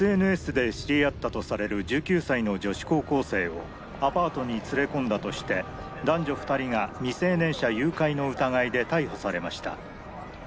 「ＳＮＳで知り合ったとされる１９歳の女子高校生をアパートに連れ込んだとして男女２人が未成年者誘拐の疑いで逮捕されました」。